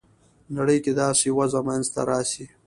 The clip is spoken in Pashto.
نړۍ کې داسې وضع منځته راسي.